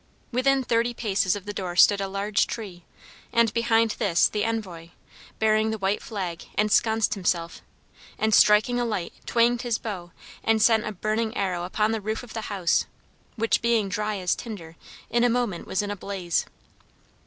Within thirty paces of the door stood a large tree, and behind this the envoy, bearing the white flag, ensconced himself, and, striking a light, twanged his bow and sent a burning arrow upon the roof of the house, which, being dry as tinder, in a moment was in a blaze.